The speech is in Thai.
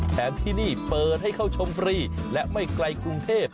ที่นี่เปิดให้เข้าชมฟรีและไม่ไกลกรุงเทพ